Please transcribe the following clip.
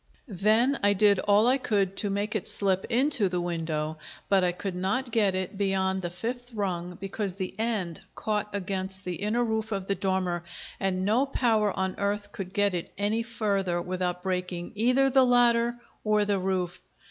Then I did all I could to make it slip into the window, but I could not get it beyond the fifth rung because the end caught against the inner roof of the dormer, and no power on earth could get it any further without breaking either the ladder or the roof.